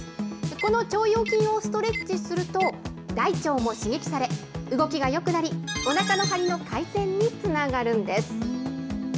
この腸腰筋をストレッチすると、大腸も刺激され、動きがよくなり、おなかの張りの改善につながるんです。